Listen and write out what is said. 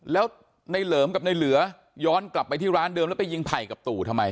แล้วในเหลิมกับในเหลือย้อนกลับไปที่ร้านเดิมแล้วไปยิงไผ่กับตู่ทำไม